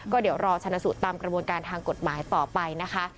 ก็เดี๋ยวรอชนะสูตรตามกระบวนการทางกฎหมายต่อไปนะคะ